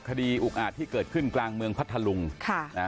อุกอาจที่เกิดขึ้นกลางเมืองพัทธลุงค่ะนะฮะ